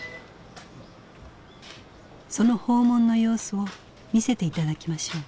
その訪問の様子を見せて頂きましょう。